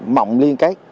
mọng liên kết